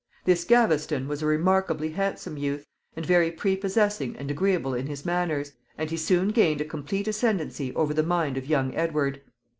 This Gaveston was a remarkably handsome youth, and very prepossessing and agreeable in his manners, and he soon gained a complete ascendency over the mind of young Edward.